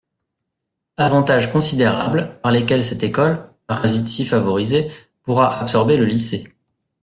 Avantages considérables par lesquels cette école, parasite si favorisée, pourra absorber le lycée.